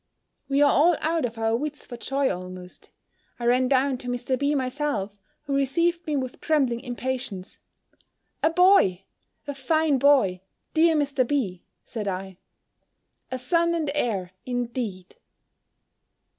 We are all out of our wits for joy almost. I ran down to Mr. B. myself, who received me with trembling impatience. "A boy! a fine boy! dear Mr. B.," said I: "a son and heir, indeed!"